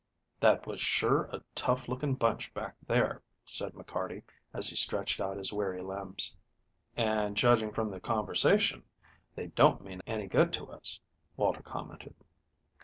"That was sure a tough looking bunch back there," said McCarty, as he stretched out his weary limbs. "And, judging from their conversation, they don't mean any good to us," Walter commented.